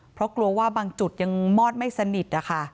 เพราะกลัวว่าบางจุดยังมอดไม่สนิท